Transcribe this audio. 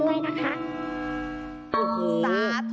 แล้วก็อธิตานขอพรท่านไปด้วยนะคะ